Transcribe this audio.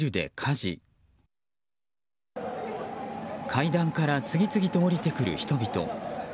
階段から次々と下りてくる人々。